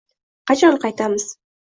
Qachon qaytamiz?